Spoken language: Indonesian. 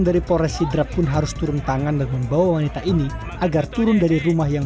dari pores sidrap pun harus turun tangan dan membawa wanita ini agar turun dari rumah yang